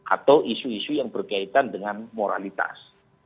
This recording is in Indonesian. atau isu isu yang berkaitan dengan moralitas